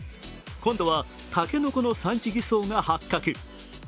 今度はたけのこの産地偽装が発覚。